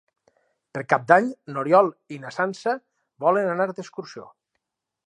Per Cap d'Any n'Oriol i na Sança volen anar d'excursió.